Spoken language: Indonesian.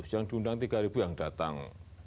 yang diundang tiga ribu yang datang tiga ribu lima ratus